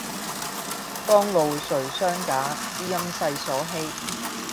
當路誰相假，知音世所稀。